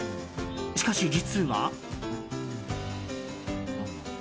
しかし、実は。